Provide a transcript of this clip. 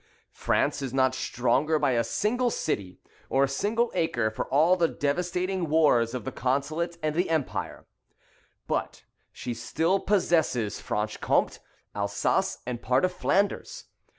France is not stronger by a single city or a single acre for all the devastating wars of the Consulate and the Empire. But she still possesses Franche Comte, Alsace, and part of Flanders.